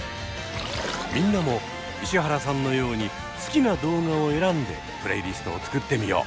みんなも石原さんのように好きな動画を選んでプレイリストを作ってみよう。